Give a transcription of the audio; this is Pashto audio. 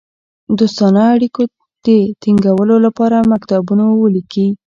دوستانه اړېکو د تینګولو لپاره مکتوبونه ولیکي.